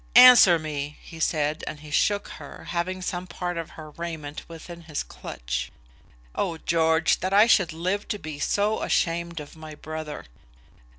"Answer me!" he said, and shook her, having some part of her raiment within his clutch. "Oh, George, that I should live to be so ashamed of my brother!"